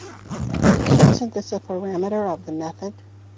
Isn’t this a parameter of the method?